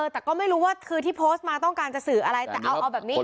แต่ก็ไม่รู้ว่าคือที่โพสต์มาต้องการจะสื่ออะไรแต่เอาแบบนี้